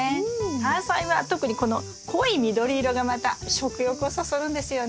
タアサイは特にこの濃い緑色がまた食欲をそそるんですよね。